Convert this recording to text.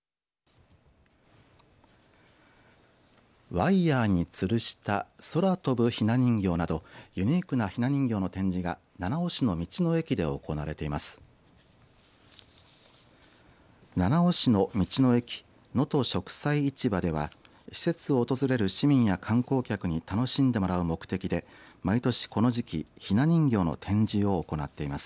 ワイヤーにつるした空飛ぶひな人形などユニークなひな人形の展示が七尾市の道の駅で行われています。